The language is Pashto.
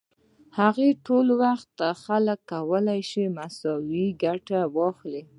هغه وخت ټولو خلکو کولای شوای مساوي ګټه واخلي.